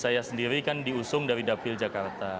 saya sendiri kan diusung dari dapil jakarta